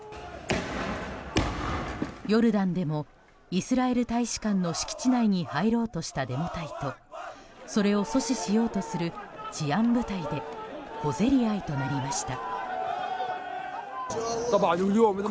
ヨルダンでもイスラエル大使館の敷地内に入ろうとしたデモ隊とそれを阻止しようとする治安部隊で小競り合いとなりました。